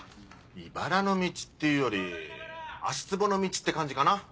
いばらの道っていうより足つぼの道って感じかな。